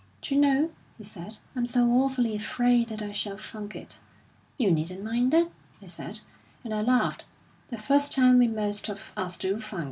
'D'you know,' he said, 'I'm so awfully afraid that I shall funk it.' 'You needn't mind that,' I said, and I laughed. 'The first time we most of us do funk it.